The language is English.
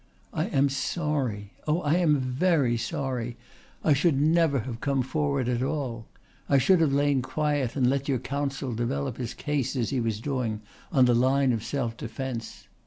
"I am sorry. Oh, I am very sorry. I should never have come forward at all. I should have lain quiet and let your counsel develop his case, as he was doing, on the line of self defence.